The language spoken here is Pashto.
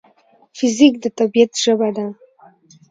فزیک د طبیعت ژبه ده.